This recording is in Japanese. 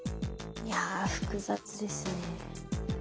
いや複雑ですね。